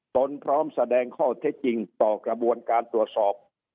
ตนพร้อมแสดงข้อเท็จจริงต่อกระบวนการตรวจสอบ